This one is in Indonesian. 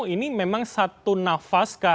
ini memang satu nafas